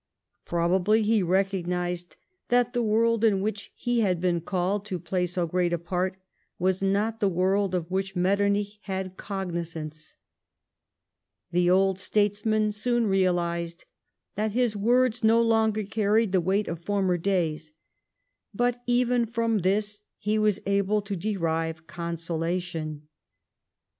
Probably he recognised that the world in which he had been called to play so great a part was not the world of which Metternich had cognizance. The old statesman soon realised that bis words no longer carried the weight of former days; but even from this he was able to derive consolation.